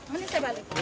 mending saya balik